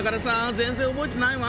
全然覚えてないわ。